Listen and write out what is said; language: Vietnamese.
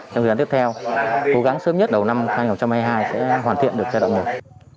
trong thời gian tiếp theo cố gắng sớm nhất đầu năm hai nghìn hai mươi hai sẽ hoàn thiện được giai đoạn một